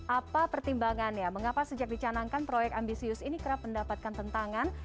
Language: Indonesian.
apa pertimbangannya mengapa sejak dicanangkan proyek ambisius ini kerap mendapatkan tentangan